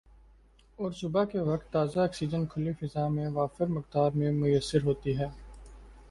اور صبح کے وقت تازہ آکسیجن کھلی فضا میں وافر مقدار میں میسر ہوتی ہے